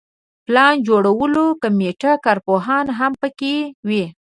پلان جوړولو کمیټه کارپوهان هم په کې وي.